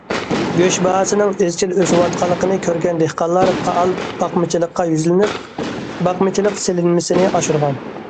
گۆش باھاسىنىڭ ئىزچىل ئۆسۈۋاتقانلىقىنى كۆرگەن دېھقانلار پائال باقمىچىلىققا يۈزلىنىپ، باقمىچىلىق سېلىنمىسىنى ئاشۇرغان.